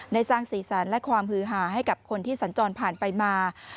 ได้สร้างสีสันและความหือหาให้กับคนที่สัญจรผ่านไปมา